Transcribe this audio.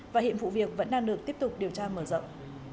và hiện vụ việc vẫn đang được tiếp tục điều tra mở rộng